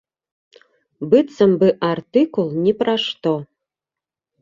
Быццам бы артыкул ні пра што.